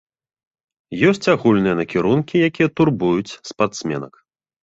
Ёсць агульныя накірункі, якія турбуюць спартсменак.